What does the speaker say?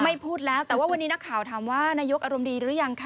พูดแล้วแต่ว่าวันนี้นักข่าวถามว่านายกอารมณ์ดีหรือยังคะ